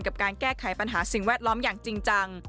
กับการแก้ไขปัญหาสิ่งแวดล้อมอย่างจริงจัง